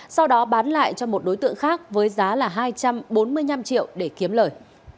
sau đó bán lại cho một đối tượng khác với giá là hai trăm bốn mươi năm triệu để kiếm lời